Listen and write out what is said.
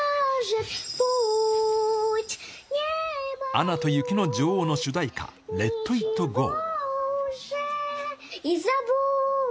アナと雪の女王の主題歌、ＬｅｔＩｔＧｏ。